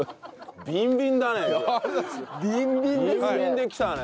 ビンビンですね。